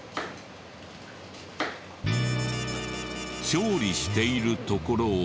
調理しているところを。